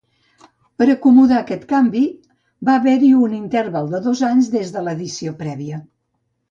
Per acomodar aquest canvi, va haver-hi un interval de dos anys des de l'edició prèvia.